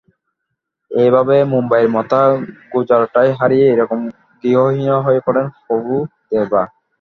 এভাবে মুম্বাইয়ে মাথা গোঁজার ঠাঁই হারিয়ে একরকম গৃহহীনই হয়ে পড়েন প্রভুদেবা।